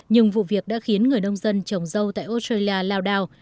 nhưng vụ việc đã khiến người nông dân trồng dâu tại australia lao đao